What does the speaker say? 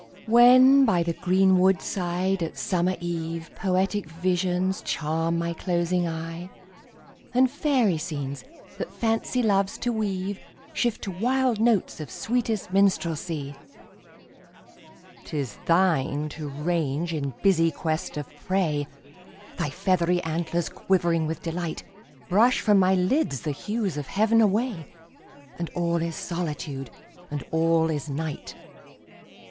When by the green wood side, at summer eve, Poetic visions charm my closing eye; And fairy scenes, that Fancy loves to weave, Shift to wild notes of sweetest Minstrelsy; 'Tis thine to range in busy quest of prey, Thy feathery antlers quivering with delight, Brush from my lids the hues of heav'n away, And all is Solitude, and all is Night!